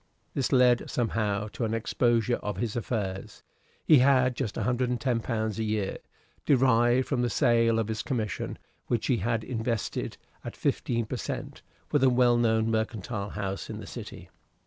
This led somehow to an exposure of his affairs. He had just £110 a year, derived from the sale of his commission, which he had invested, at fifteen per cent, with a well known mercantile house in the City.